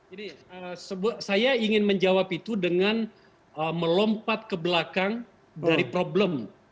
saya ingin menjawab itu dengan melompat ke belakang dari problem